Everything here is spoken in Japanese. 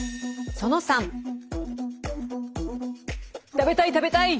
食べたい食べたい！